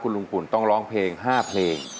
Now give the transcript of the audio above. ลุงปุ่นต้องร้องเพลง๕เพลง